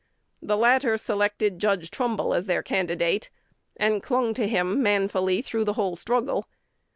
The latter selected Judge Trumbull as their candidate, and clung to him manfully through the whole struggle.